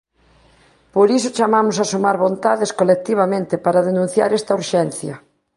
Por iso chamamos a sumar vontades colectivamente para denunciar esta urxencia.